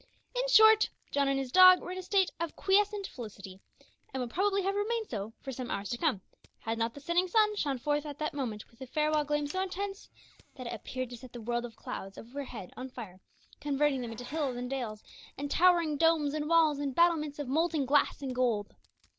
In short, John and his dog were in a state of quiescent felicity, and would probably have remained so for some hours to come, had not the setting sun shone forth at that moment with a farewell gleam so intense, that it appeared to set the world of clouds overhead on fire, converting them into hills and dales, and towering domes and walls and battlements of molten glass and gold.